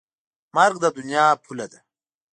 مرګ د دنیا پوله ده.